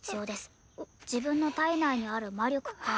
自分の体内にある魔力か。